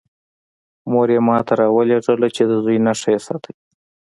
مور یې ما ته راولېږه چې د زوی نښه یې ساتی.